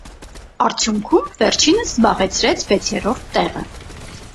Արդյունքում վերջինս զբաղեցրեց վեցերորդ տեղը։